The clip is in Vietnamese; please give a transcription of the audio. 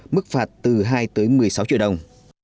mức phạt từ hai tới một mươi sáu triệu đồng